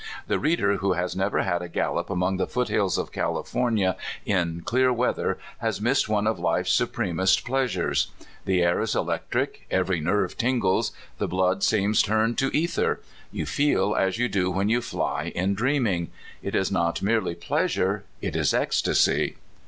The reader w^ho has never had a gallop among the foothills of California in clear weather has missed one of life's supremest pleas (299) 300 CALIFORNIA SKETCHES. ures. The air is electric, every nerve tingles, the blood seems turned to ether. You feel as you do when you fly in dreaming. It is not merely pleas ure ; it is ecstacy.